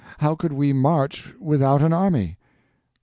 how could we march without an army?